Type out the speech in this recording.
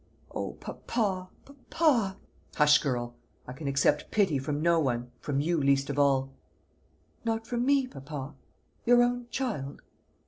"O, papa, papa!" "Hush, girl! I can accept pity from no one from you least of all." "Not from me, papa your own child?"